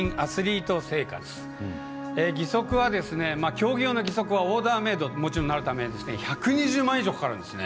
競技用の義足はオーダーメードになるため１２０万以上かかるんですね。